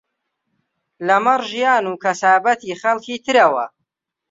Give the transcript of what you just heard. لەمەڕ ژیان و کەسابەتی خەڵکی ترەوە